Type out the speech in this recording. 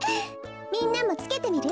みんなもつけてみる？